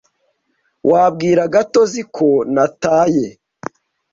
Wabwira Gatozi ko nataye?